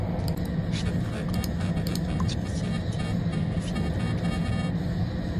Chaque dragon a au départ une spécialité et une affinité avec un élément.